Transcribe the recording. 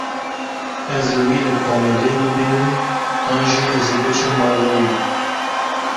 Ez ê wî li komeleyê bibînim an jî ez ê biçim mala wî.